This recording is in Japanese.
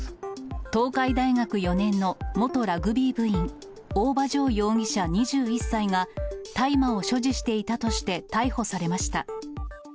東海大学４年の元ラグビー部員、大場丈容疑者２１歳が、大麻を所持していたとして逮捕されました。